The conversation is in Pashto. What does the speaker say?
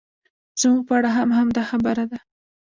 زموږ په اړه هم همدا خبره ده.